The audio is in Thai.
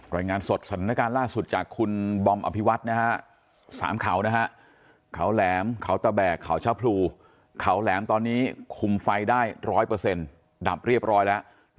รายงานสดสถานการณ์ล่าสุดจากคุณบอมอภิวัตสามเขานะฮะเขาแหลมเขาตะแบกเขาชะพรูเขาแหลมตอนนี้คุมไฟได้๑๐๐ดับเรียบร้อยแล้ว